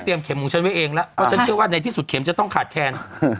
เข็มของฉันไว้เองแล้วเพราะฉันเชื่อว่าในที่สุดเข็มจะต้องขาดแคลน